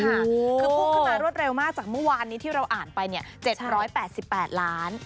คือพุ่งขึ้นมารวดเร็วมากจากเมื่อวานนี้ที่เราอ่านไป๗๘๘ล้าน